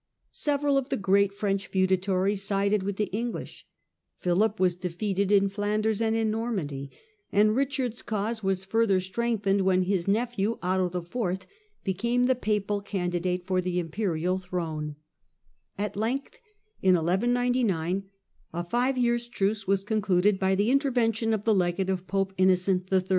Several of the great French feudatories sided with the English, Philip was defeated in Flanders and in Normandy, and Richard's cause was further strengthened when his nephew Otto IV. became the papal candidate for the imperial throne (see p. 181). At length, in 1199, a five years' truce was concluded by the intervention of the legate of Pope Innocent HI.